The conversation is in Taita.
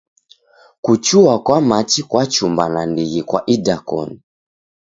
Kuchua kwa machi kwachumba nandighi kwa idakoni.